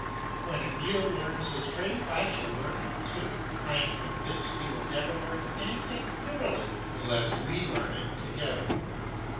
When Emile learns his trade I shall learn it too. I am convinced he will never learn anything thoroughly unless we learn it together.